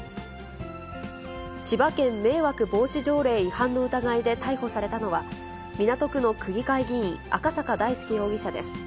千葉県迷惑防止条例違反の疑いで逮捕されたのは、港区の区議会議員、赤坂大輔容疑者です。